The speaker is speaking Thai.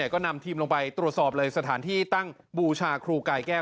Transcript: ก็นำทีมลงไปตรวจสอบเลยสถานที่ตั้งบูชาครูกายแก้ว